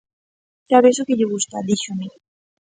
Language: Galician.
_Xa vexo que lle gusta _díxome.